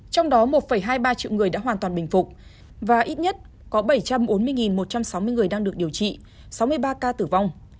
trong đó một hai mươi ba triệu người đã hoàn toàn bình phục và ít nhất có bảy trăm bốn mươi một trăm sáu mươi người đang được điều trị sáu mươi ba ca tử vong